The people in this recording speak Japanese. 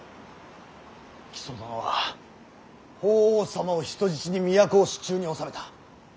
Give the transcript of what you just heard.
木曽殿は法皇様を人質に都を手中に収めた。